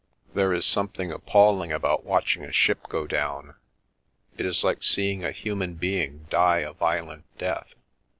The Milky Way There is something appalling about watching a ship go down; it is like seeing a human being die a violent death.